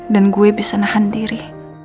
dan gue bisa nahan diri